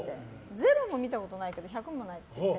ゼロも見たことないけど１００もないって言って。